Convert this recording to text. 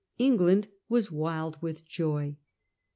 England was wild with joy.